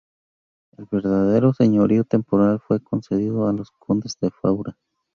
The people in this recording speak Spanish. El verdadero señorío temporal fue concedido a los Condes de Faura.